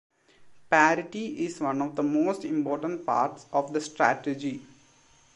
Parity is one of the most important parts of the strategy.